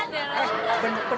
eh bener bener ya